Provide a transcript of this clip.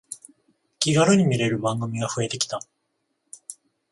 気軽に見れる番組が増えてきた